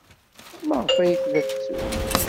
Maɣef ay tella tettru?